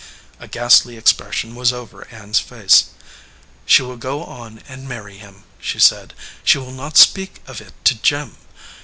A ghastly expression was over Ann s face. "She will go on and marry him," she said. "She will not speak of it to Jim.